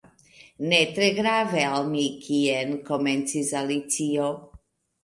"Ne tre grave al mi kien" komencis Alicio.